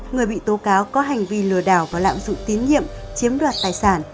người bị tố cáo có hành vi lừa đảo và lạm dụng tín nhiệm chiếm đoạt tài sản